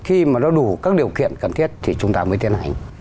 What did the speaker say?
khi mà nó đủ các điều kiện cần thiết thì chúng ta mới tiến hành